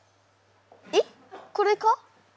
えっこれか？